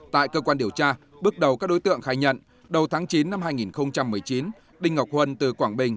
tại cơ quan điều tra bước đầu các đối tượng khai nhận đầu tháng chín năm hai nghìn một mươi chín đinh ngọc huân từ quảng bình